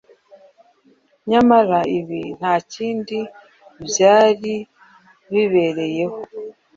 Nyamara ibi nta kindi byari bibereyeho